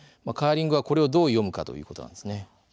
カーリングはこれをどう読むかということです。